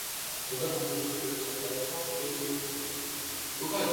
Estas varían desde el nivel básico, hasta niveles superiores.